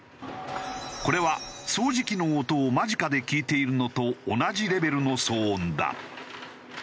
これは掃除機の音を間近で聞いているのと同じレベルの騒音だ。